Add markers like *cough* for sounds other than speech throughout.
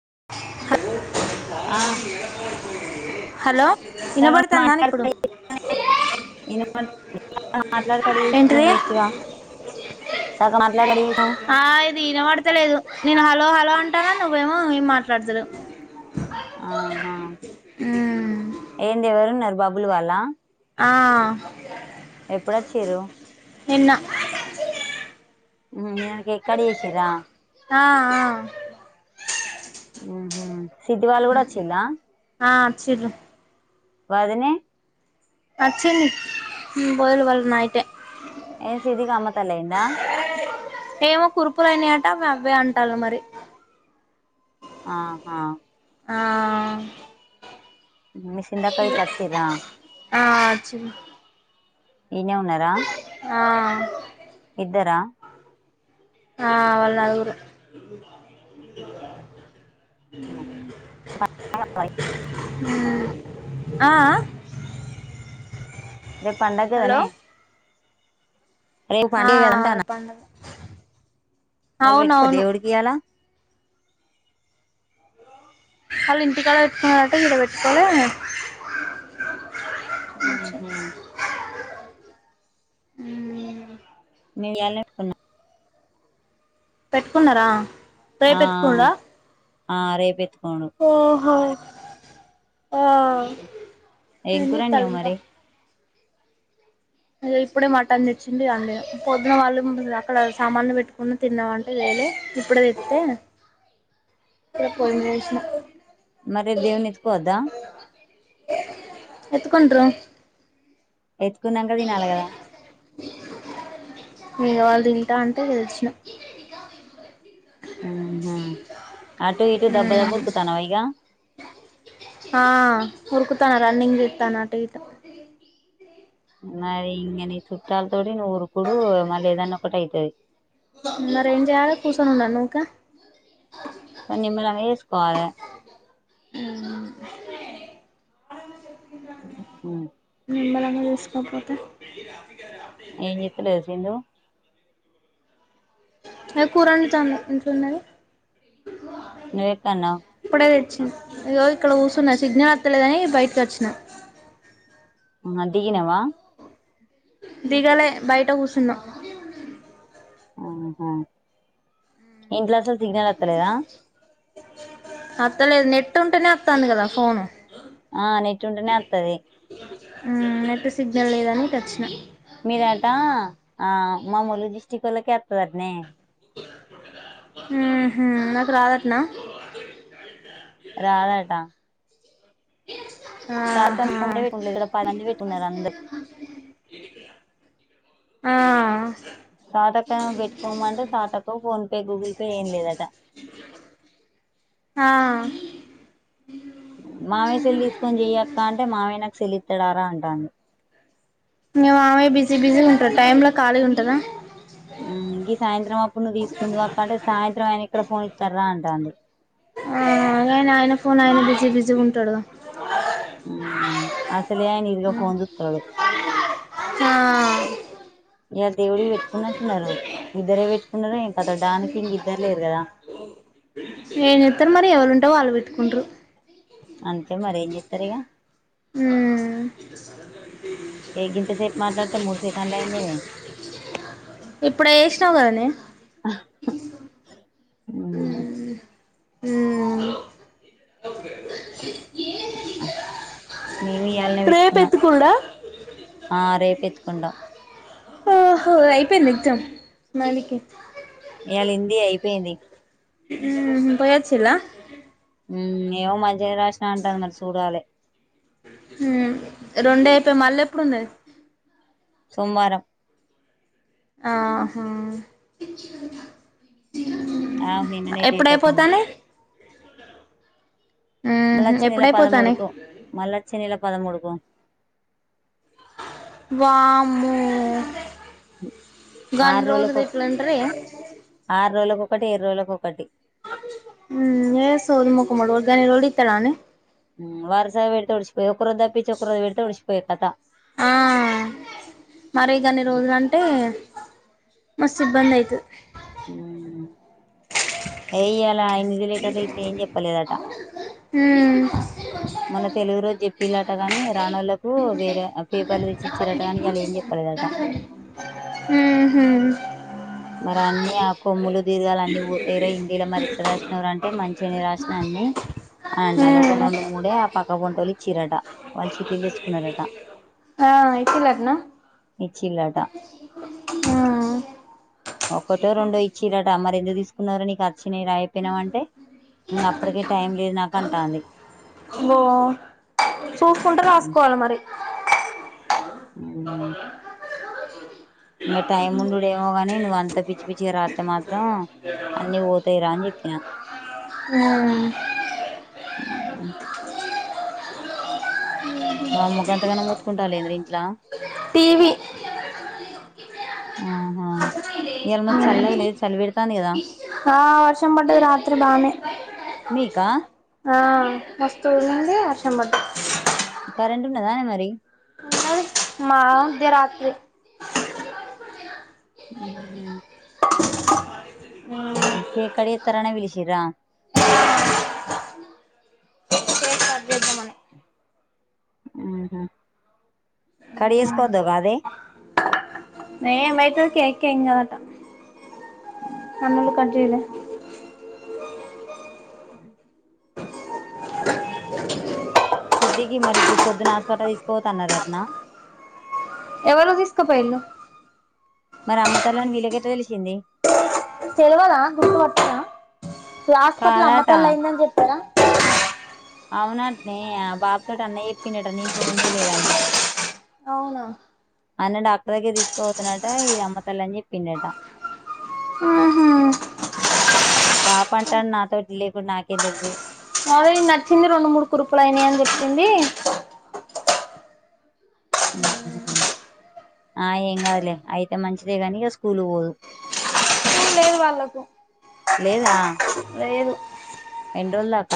హ ఆ హలో సగం వినబడుతుందా ఇప్పుడు మాట్లాడక మాట్లాడ కడ చేసినావు ఏంటిది వేస్ట్ గా సగం మాట్లాడ కడ చేసినావు ఆ ఇది వినబడతలేదు నేను హలో హలో అ ఆ నువ్వు ఏమో ఏం మాట్లాడుదురు ఆ హా ఏంది ఎవరున్నారు బాబులు వాళ్ల ఆ ఎప్పుడొచ్చిర్రు నిన్న ఉమ్ ఈయనకి ఇక్కడికి ఏసిరా ఆ ఆ ఉ హు సిద్ధివాళ కూడా వచ్చిందా ఆ వచ్చిర్రు వదినే వచ్చింది ఉమ్ పోదు పోదులే నైటే ఏ సిరికి అమ్మతలైందా అవే అవే అంటాలు మరి ఆహా ఆ మీసిన్దాక ఇట్లా వచ్చిరా ఆ అచిన్ ఇన్నే ఉన్నారా ఆ ఇద్దరా ఆ వాల్ నాలుగురు ఉ ఆ ఆ రేప్ హలో పండగదనే రేప్ ఆ పండగె గదా అంటన్న పండగ మల్ పెట్టుకో అవునవును దేవుడ్కి ఇయాల ఆళ్ళు ఇంటికాడ పెట్టుకున్నారంట ఇడ పెట్టుకోలే మ్ హు మ్మ్ నిన్ ఇయ్యాల్నే ఏసుకున్న పెట్టుకున్నారా ఆ రేపెత్తుకునుడా ఆ రేపుపెతుక్ ఓహో ఆహ్ ఏం కూర వండినావ్ చేతలింక్కా మరి ఇగో ఇప్పుడే మటన్ తెచ్చిండు అండీనా పొద్దున వాళ్ళు ఉన్నారు అక్కడ సామాన్లు పెట్టుకుని తిన్నావంటే లేదు ఇప్పుడే తెత్తే ఇగ పొయ్యేమీద ఏసిన మరి దేవున్ని ఏతుక్కోవద్ద ఎత్తుకుంట్రూ ఎత్తుకున్నాంక తినాలే కదా ఇగ వాళ్ళు తింటా అంటే ఇగ తెచ్చినం ఉహు అటూ ఇటూ దబ్బా దబ్బ మ్మ్ ఉరుకుతన్నావా ఇగ ఉరుకుతాన్న రన్నింగ్ చెత్తాన్న అటు ఇటు మరి ఇంగ నీ చుట్టాలు తోడి నువ్వు ఊరుకుడు మళ్ళీ ఏదన్న ఒకటి అయితది గ పని నిమ్మలంగా జేసుకోవాలే హుమ్ ఉమ్ నిమ్మలంగా చూసుకోకపోతే ఏంజేత్తలేదా సింధు ఏ కురండుతాంది ఇంట్లున్నది నువ్ ఎక్కన్నావ్ ఇగో ఇక్కడ కూర్చున్న సిగ్నల్ వత్తలేదని బయటకి వచ్చిన హ దిగినవ దిగలే బయట కూసున్నా ఆహ ఇంట్ల సు సిగ్నలత్తలేదా అత్తలేదు నెట్ ఉంటేనే అత్తంది కదా ఫోను ఆ నెట్ ఉంటనే అత్తది హు నెట్ సిగ్నల్ లేదని ఇటచ్చిన మీదటా ఆ మా ములుగు డిస్ట్రిక్ ఒళ్ళకే ఒత్తదాట్నే మ్ హు నాకు రాదట్నా రాదటా ఇచ్ సాతకంచుకుంము లేదు ఏంలేదు ఇడ పంది వెట్టిండారు అందర్ ఆ సాతకం పెట్టుకోమంటే సాతకు ఫోన్ పే గూగుల్ పే ఏం లేదట ఆ మామయ్య సెల్ తీసుకొని చేయక్క అంటే మామయ్య నాకు సెల్ ఇత్తడారా అంటాండు మీ మామయ్య బిజీ బిజీ ఉంటారు టైమ్ లో ఖాళీగుంటదా మ్మ్ గీ సాయంత్రం అప్పుడు నువ్వు తీసుకుందువు అక్క అంటే సాయంత్రం ఆయన ఎక్కడ ఫోన్ ఇత్తరా అం టాంది అవున్ గయిన ఆయన ఫోన్ ఆయిన బిజీ బిజీ ఉంటాడు హుమ్ ఆస్ త్తలే అని ఇరగ ఫోన్ జుత్తడు హా ఇయాల్ దేవుడికి పెట్టుకున్నట్టున్నారు, ఇద్దరే పెట్టుకున్నారో ఏం కథా డానికి ఇంక ఇద్దరు లేరు కదా. ఏం చెత్తరు మరి ఎవళ్లు ఉంటే వాళ్ పెట్టుకుంటరు అంతే మరి ఏం చేత్తరు ఇగ హుమ్ ఏ గింతసేపు మాట్లాడితే మూడు సెకండ్లు అయిందేమి ఇప్పుడ ఏ ష్ స్నవ్ కదనే ఈ సాంగ్ కు హుహ్ హూమ్ మీమి ఇయాల్ నే వెట్ రేపు కున్నా ఎత్తుకునుడా ఆ రేప్ పెట్ కుంటా ఓ హో అయిపోయిందా ఎగ్జామ్ నాల్ కి ఇయాళ ఇంది అయిపోయింది పోయిచ్చిళ్ళ హుమ్ ఏమో మర్ ఏం రాసినా అంటారు మరి చూడాలె ఉహ్మ్ రెండు అయిపోయి మళ్ళ ఎప్పుడున్నది సోమవారం ఆ హా ఆమె కు నిన్ననే డేట్ వచ్చింది ఎప్పుడైపోతానయ్ మ్మ్ మళ్ళ హ్మ్ వచ్చే నెల పదమూడు ఎప్పుడైపోతానయ్ కు మళ్ళ వచ్చే నెల పదమూడు కు వామ్మో ఆరు గన్ని రోజులు రోజులకు ఎట్ల ఉంటరే ఆరు రోజులకు ఒకటి ఏర్రోజులకు ఒకటి హ్మ్ ఏ సోది మొఖమోడు గన్ని రోజు ఇత్తడాండి హ్మ్ వరుస పెట్టి ఒడిసిపోయి ఒక్క రోజుదప్పిచ్చ ఒక్కరోజు వెడితే ఒడిష్ ఓకో కథ ఆ మరి గన్ని రోజులుంటే మస్ ఇబ్బంది అయిత హు ఎయ్యలా అయిత హు మొన్న తెలుగు రోజు చెప్పిలాట కాని రానులకు వేరే పేపర్లు తెచ్చి ఇచ్చారంట కాని ఈయాల ఏం చెప్పలేదంట మరి అన్ని ఆ కొములు దీర్గాలన్నీ పోతాయిరా హిందీల మరి ఎట్లా రాసినవారు అంటే మంచిగానే రాసిన అన్ని అని అంట అది ఒక రెండు మూడే ఆ పక్క వంటోలి చీరట వాళ్ళు చికెన్ తెచ్చుకున్నారంట ఆ ఇతరత్న ఇచ్చిన్లట ఆ ఒకక్కటో రెండో ఇచ్చిన్లట అ మర ఎందుకు తీసుకున్నారో నీకు మంచినీరు అయిపోయినామంటే ఇంక అప్పటికే టైం లేదు నాకంటాంది బో చూసుకుంటే రాసుకోవాలి మరి హు ఇంకా టైమ్ ఉండు ఏమోగానీ నువ్వు అంత పిచ్చ పిచ్చిగా రాత్తే మాత్రం త్రం అన్ని పోతాయిరా అని చెప్పిన హు ఊహు వామ్మో గంతగణం మూతుకుంటాలంద్ర ఇంట్లా టీవీ ఆహా ఇయ్యాల చల్లగా లేదు చలి పెడతాంది కదా ఆ వర్షం పట్టదు రాత్రి బానే మీకా ఆ మస్త ఉడి ఆ సమంట కరెంటు ఉన్నదా మరి మ దరాత్రి ఉ కేక్ కట్ చేస్తున్నారు అని పిలిచిండ్రా కేక్ కోత చెధమ్ అనే ఊహుం కడిగేసుకోద్దుకాదే ఏమవుతుంది కేక్‌ కి ఏం కాదు అట సన్నగా కట్ చేయలే సిద్ధికి మరి ఇప్పుడు పొద్దున్న ఆస్పటల్ తీసుకోపోతన్నారంటన ఎవలు తీసుకపోయిలు మరి అమ్మతాలను వీలగెట తెలిసింది తలవదా గుర్తుపట్టిన హసుపత్రల్ అమ్మ కాదట తల్ అయిందని చెప్పారా అవునా నే బా తెటి అన్న చెప్పినట్ట నీను ఫోన్ చేయలేగాని అవునా అన్న డాక్టర్ దగ్గర తీసుకుపోతున్నాట ఇది అమ్మ తల్ అని చెప్పిండట. ఆహా పాప అంటాడు నాతోటి లేకుడు నాకేం తెలుసు అదే నచ్చింది రెండు మూడు కుర్పులుయినా అని చెప్పింది. ఆ ఏం కాదులే అయితే మంచిదే కాని ఇక స్కూల్ పోదు. లేదు వాళ్ళకు లేదు ఎంద్రోల్ధక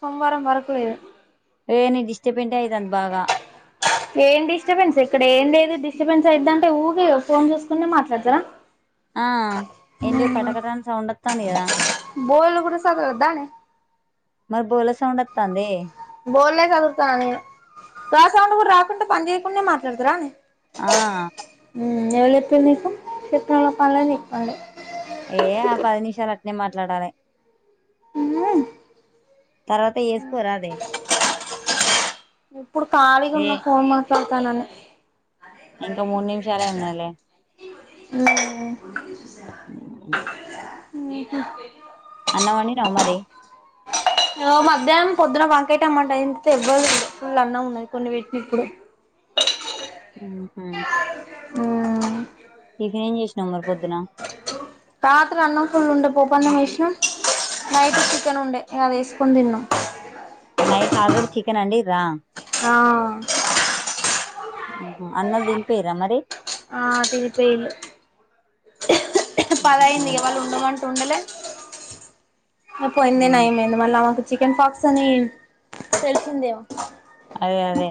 సోమ్వారం పరకులేదు ఇే డిస్టర్బంటట్ యతు అంద బాగా. ఏం డిస్టర్బెన్స్ ఇక్కడ ఏం లేదు డిస్టర్బెన్స్ అవుందంటే ఊగి ఫోన్ చూసుకునే మాట్లాడతారా. ఆ ఎడి కటకటన్ సౌండ తాంకథ బోల్ కూడా సదుద్దానే మరి బోల సౌంండ త అందిే బెల్ళ్లే చదురుతానని గా సౌండ్ కూడా రకూడా పని చేయకుండా మాట్లాడతార నే ఆ ఏవాలు చెపీరు నీకు. ఏ ఆ పది నిమిషాలు అట్నే మాట్లాడాలి తర్వాత చేసుకోరా అదే ఇప్పుడు ఖాళీగా ఏ ఉన్న ఫోన్ మాట్లాడుతానని. ఇంకా మూడు నిమిషాలే ఉన్నాాలే ఉ అ ఊహూ మరి మధ్యాహ్నం పొద్దున వంకైట టమ్మంట అ యావ్వరూ తినలే ఫుల్ అన్న ఉన్నాయి కొన్ని వట్టిని ఇప్పుడే ఉహు ఉమ్ టిఫన్ ఏం చేసినావు మరి పొద్దున రాత్ర అన్నం ఫుల్ ఉండే పొప్పన్నం వేసిన నైట్ చికెన్ ఉండే అది వేసుకొని తిన్నాం. నైట్ ఆల్రెడీ చికెన్ అండి రా అ అన్నం తినిపియరా మరి ఆ తిర్చయిలు పది మ్మ్హ. అయింది వాళ ఉండమంటె ఉండలే. పోయిందే మ్మ్. నయమైంది మల్ల చికెన్ ఫాక్స్ ఆని. తెలిసిందేగ *unintelligible* అదే అదే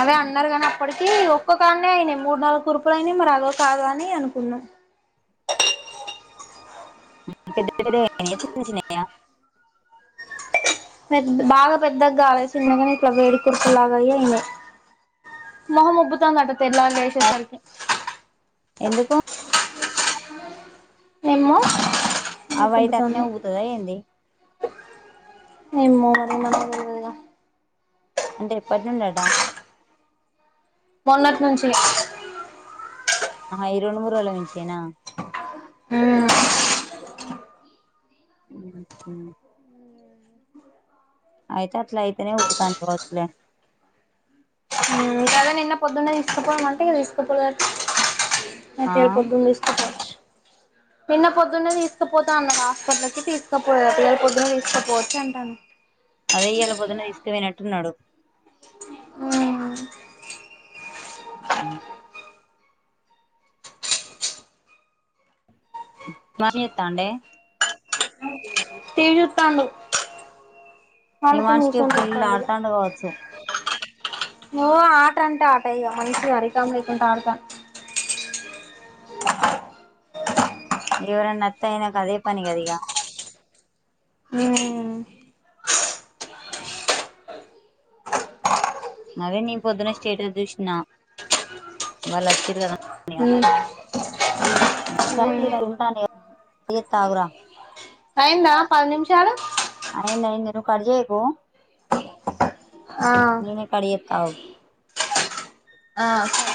అదే అన్నారు కానీ అప్పటి దీ.. ఒక్క కాడనే అయినియి మూడు నాలుగు కురుపులు అయినియి మరి అదొ కాదొ అనీ అనుకున్నా పెద్ద పెద్దదె అయినియా చిన్న చిన్నయా పెద్ద బాగా పెద్దగాలేసి గానీ వేడి కురుపులు లాగా అయ్యాయిమొహం ఉబ్బుతాందంట తెల్లారి లేసే సరికి ఎందుకూ మేము అవయితే అట్నే ఉబ్బుతదా ఏంది ఏమో మరి మనకు తెల్వదుగా అంటే ఎప్పటి నుండట మొన్నటి నుంచి ఆహా ఈ రెండు మూడు రోజుల నుంచే నా మ్మ్ హ్మ్ హ్మ్ అయితే అట్లయితే నె ఉబ్బుతా పోద్దిలె ఇ నిన్న పొద్దున్నే తీసుకుపోమంటె తీసుకపోలెద్ ఆ అయితే ఇయ్యాల పొద్దున తీసుకు పోవచ్చు నిన్న పొద్దున్నే తీసుకుపోతా అన్నడు హాస్పటల్ కి తీసుకు పోలె పిల్లల పొద్దున్న తీసుకపోవచ్చు అంటాను అదె ఇయ్యాల పొద్దున్న తీసుకుపొయినట్టున్నాడు మ్మ్ మనీ ఇత్తాండే టివి చూత్తండు ఈ మనిషికి ఫుల్ ఆటాండుకోవచ్చు ఓ ఆట అంటే ఆటెగ మనిషి హరికాం లేకుంటా ఆడత ఎవరన్నా అత్తే నాకాదే పని గదా ఇగ ఉమ్ అదే నీ పొద్దున స్టేటస్ చూస్నా వాళ్ళు వచిన్ర్ గదా ఇగ ఉమ్ సరే ఉమ్ తియ్ వెళ్తా ని గా ఎ తాగురా అయిందా పది నిమిషాలు అయింది అయింది నువు కడ్ జేయకు ఆ ఔ ఆ సరే